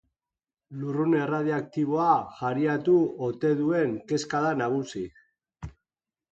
Lurrun erradioaktiboa jariatu ote duen kezka da nagusi.